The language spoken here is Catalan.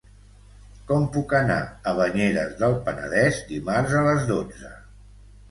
Com puc anar a Banyeres del Penedès dimarts a les dotze?